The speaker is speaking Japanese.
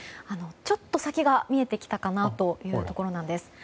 ちょっと先が見えてきたかなというところなんです。